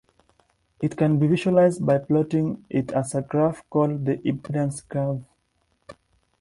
It can be visualized by plotting it as a graph, called the impedance curve.